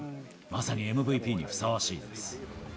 まさにＭＶＰにふさわしい。